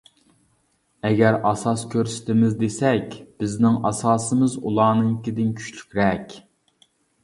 ئەگەر ئاساس كۆرسىتىمىز دېسەك، بىزنىڭ ئاساسىمىز ئۇلارنىڭكىدىن كۈچلۈكرەك.